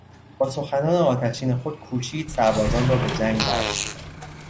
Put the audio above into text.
با سخنان آتشین خود کوشید سربازان را به جنگ برانگیزد.